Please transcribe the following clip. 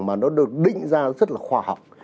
mà nó được định ra rất là khoa học